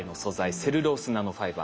セルロースナノファイバー